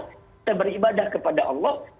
kita beribadah kepada allah